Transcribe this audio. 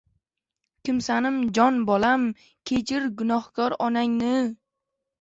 Kimsanim, jon bolam, kechir, gunohkor onangni!